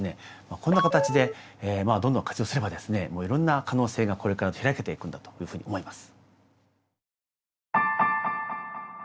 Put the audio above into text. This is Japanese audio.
こんな形でどんどん活用すればですねいろんな可能性がこれから開けていくんだというふうに思います。